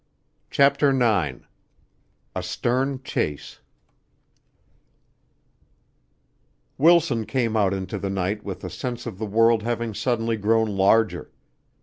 CHAPTER IX A Stern Chase Wilson came out into the night with a sense of the world having suddenly grown larger.